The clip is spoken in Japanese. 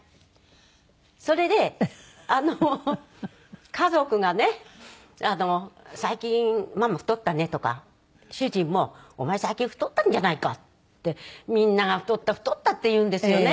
それで家族がね「最近ママ太ったね」とか主人も「お前最近太ったんじゃないか」ってみんなが太った太ったって言うんですよね。